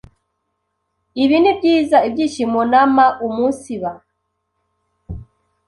ibibi n’ibyiza, ibyishimo n’amaumunsiba.